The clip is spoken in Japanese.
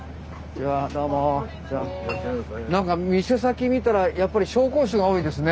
店先見たらやっぱり紹興酒が多いですね。